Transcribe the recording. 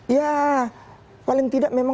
ya paling tidak memang